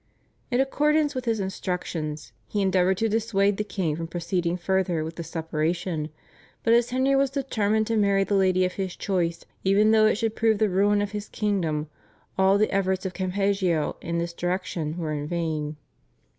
In accordance with his instructions, he endeavoured to dissuade the king from proceeding further with the separation, but as Henry was determined to marry the lady of his choice even though it should prove the ruin of his kingdom, all the efforts of Campeggio in this direction were in vain.